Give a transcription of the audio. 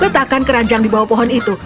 letakkan keranjang di bawah pohon itu